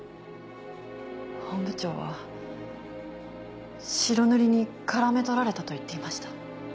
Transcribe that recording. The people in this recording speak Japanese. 本部長は白塗りにからめ捕られたと言っていました。